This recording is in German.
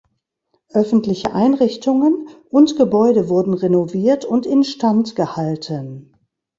Öffentliche Einrichtungen und Gebäude wurden renoviert und in Stand gehalten.